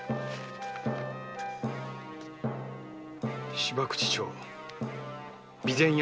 芝口町備前屋